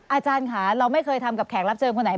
อาจารย์ค่ะเราไม่เคยทำกับแขกรับเชิญคนไหน